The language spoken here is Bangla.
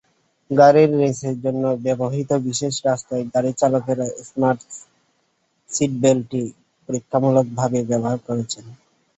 গাড়ির রেসের জন্য ব্যবহৃত বিশেষ রাস্তায় গাড়িচালকেরা স্মার্ট সিটবেল্টটি পরীক্ষামূলকভাবে ব্যবহার করেছেন।